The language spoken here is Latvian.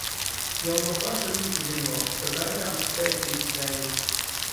Jau no paša rīta ziņo, ka gaidāms spēcīgs vējš.